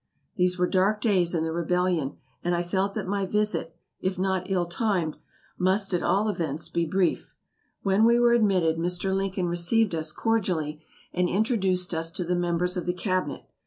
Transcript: These were dark days in the rebellion and I felt that my visit, if not ill timed, must at all events be brief. When we were admitted Mr. Lincoln received us cordially, and introduced us to the members of the cabinet.